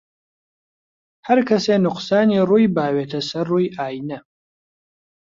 هەر کەسێ نوقسانی ڕووی باوێتە سەر ڕووی ئاینە